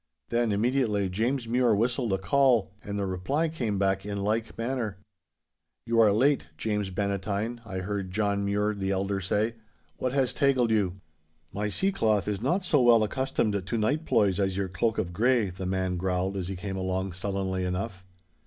Then, immediately James Mure whistled a call, and the reply came back in like manner. '"You are late, James Bannatyne," I heard John Mure the elder say; "what has taigled you?" '"My sea cloth is not so well accustomed to night ploys as your cloak of grey!" the man growled as he came along sullenly enough.